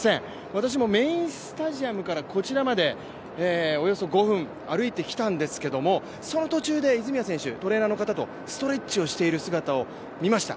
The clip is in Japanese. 私もメインスタジアムからこちらまでおよそ５分歩いてきたんですけれども、その途中で泉谷選手、トレーナーの方とストレッチをしている姿を見ました。